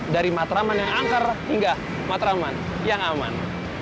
dari matraman yang angker hingga matraman yang aman